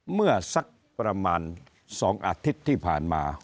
เมื่อสักประมาณ๒อาทิตย์ที่ผ่านมา